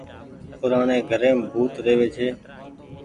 پورآڻي گهريم ڀوت ريوي ڇي۔